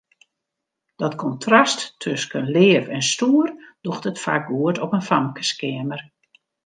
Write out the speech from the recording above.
Dat kontrast tusken leaf en stoer docht it faak goed op in famkeskeamer.